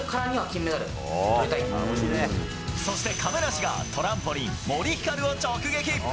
そして亀梨がトランポリン森ひかるを直撃。